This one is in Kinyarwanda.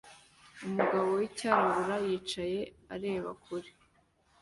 Umugabo wicyarabu yicaye areba kure